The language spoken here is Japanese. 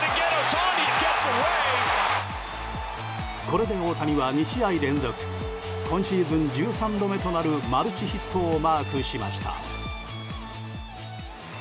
これで大谷は２試合連続今シーズン１３度目となるマルチヒットをマークしました。